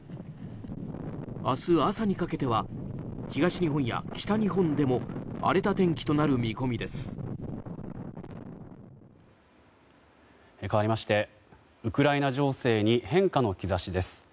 明日朝にかけては東日本や北日本でも荒れた天気となる見込みです。